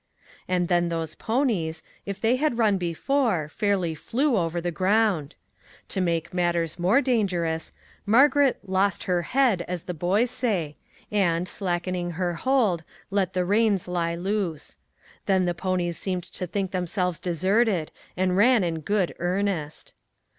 And then those ponies, if they had run be fore, fairly flew over the ground. To make matters more dangerous, Margaret " lost her head," as the boys say, and, slackening her hold, let the reins lie loose. Then the ponies seemed to think themselves deserted and ran in good earnest.